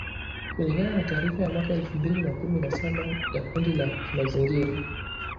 kulingana na taarifa ya mwaka elfu mbili na kumi na saba ya kundi la kimazingira la